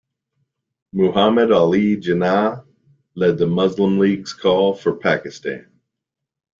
Muhammad Ali Jinnah led the Muslim League's call for Pakistan.